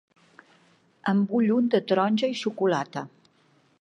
En vull un de taronja i xocolata.